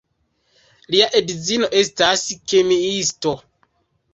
Lia edzino estas kemiisto.